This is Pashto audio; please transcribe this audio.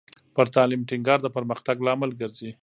پر تعلیم ټینګار د پرمختګ لامل ګرځي.